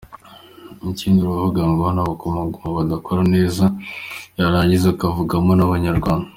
Ikindi aravuga ngo n’Abakongomani badakora neza, yarangiza akavugamo n’Abanyarwanda.